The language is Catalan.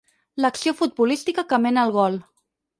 L'acció futbolística que mena al gol.